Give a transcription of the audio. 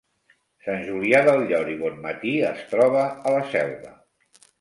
Sant Julià del Llor i Bonmatí es troba a la Selva